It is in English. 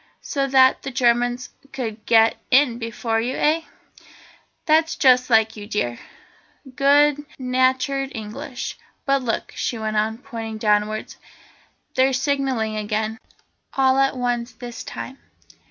"So that the Germans could get in before you, eh? That's just like you dear, good natured English. But look," she went on, pointing downwards, "they're signalling again, all at once this time."